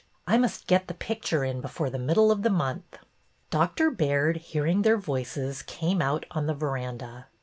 I must get the picture in before the middle of the month." Doctor Baird, hearing their voices, came out on the veranda.